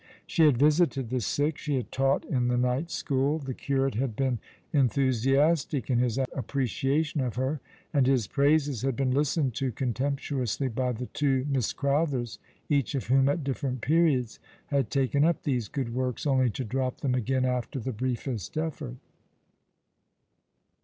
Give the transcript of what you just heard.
She had visited the sick; she had taught in the night school. The curate 136 All along the River, had been enthusiastic in his appreciation of her, and his praises had been listened to contemptuously by the two Miss Crowthers, each of whom at different periods had taken up these good works, only to drop them again after the briefest effort.